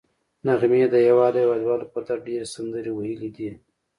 نغمې د هېواد او هېوادوالو په درد ډېرې سندرې ویلي دي